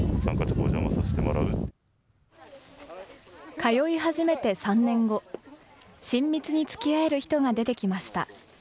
通い始めて３年後、親密につきあえる人が出てきました。